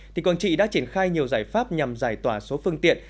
tỉnh quảng trị đã triển khai nhiều giải pháp nhằm giải tỏa số phương tiện